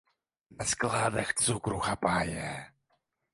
На складах цукру хапае.